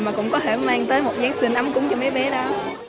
mà cũng có thể mang tới một giáng sinh ấm cúng cho mấy bé đó